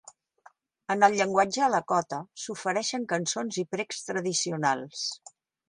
En el llenguatge Lakota s'ofereixen cançons i precs tradicionals.